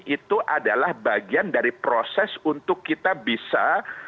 itu adalah bagian dari proses untuk kita bisa